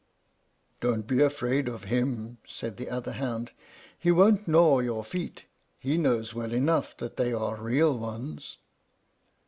"Don't be afraid of him," said the other hound; "he won't gnaw your feet. He knows well enough that they are real ones."